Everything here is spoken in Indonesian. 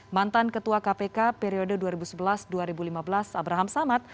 mantan ketua kpk periode dua ribu sebelas dua ribu lima belas abraham samad